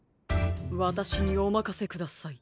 わたしにおまかせください。